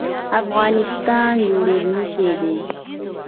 افغانستان جوړیدونکی دی